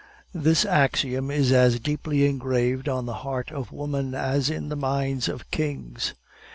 This axiom is as deeply engraved on the heart of woman as in the minds of kings.